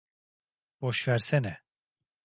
Boşversene.